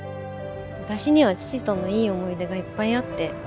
私には父とのいい思い出がいっぱいあって。